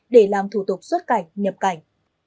để làm thủ tục xuất cảnh nhập cảnh